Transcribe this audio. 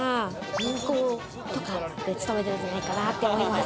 銀行とかで勤めてるんじゃないかなって思います。